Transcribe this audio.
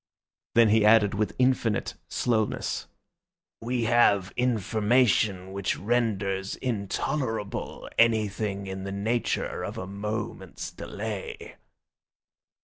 Then he added with infinite slowness, "We have information which renders intolerable anything in the nature of a moment's delay."